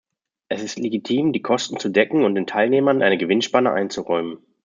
Es ist legitim, die Kosten zu decken und den Teilnehmern eine Gewinnspanne einzuräumen.